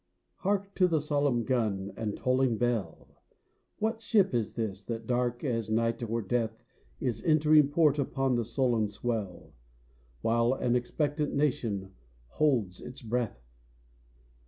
_) Hark to the solemn gun and tolling bell! What ship is this, that, dark as night or death, Is entering port upon the sullen swell, While an expectant nation holds its breath?